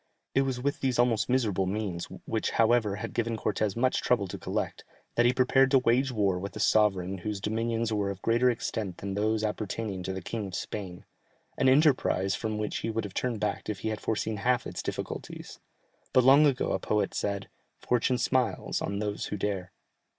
It was with these almost miserable means, which, however, had given Cortès much trouble to collect, that he prepared to wage war with a sovereign whose dominions were of greater extent than those appertaining to the King of Spain an enterprise from which he would have turned back if he had foreseen half its difficulties. But long ago a poet said, "Fortune smiles on those who dare."